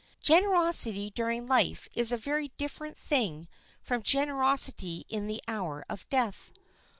Generosity during life is a very different thing from generosity in the hour of death.